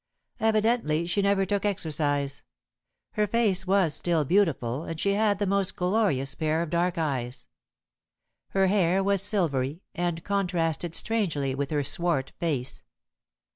Evidently she never took exercise. Her face was still beautiful, and she had the most glorious pair of dark eyes. Her hair was silvery, and contrasted strangely with her swart face.